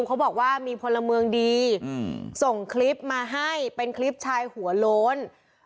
เขาบอกว่ามีพลเมืองดีส่งคลิปมาให้เป็นคลิปชายหัวโล้น